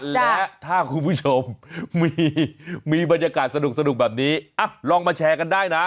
และถ้าคุณผู้ชมมีบรรยากาศสนุกแบบนี้ลองมาแชร์กันได้นะ